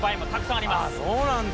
ああそうなんだ。